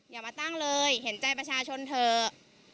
อย่ามาตั้งเลยเห็นใจประชาชนเถอะ